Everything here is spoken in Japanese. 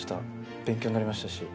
勉強になりましたし。